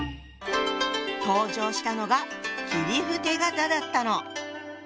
登場したのが切符手形だったの。